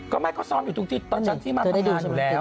ก็มันก็ซ้อมอยู่ตรงที่ตอนเชิดที่มาทำงานอยู่ล่ะ